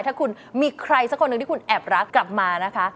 ถ้าคุณมีใครสักคนหนึ่งที่คุณแอบรักกลับมานะคะ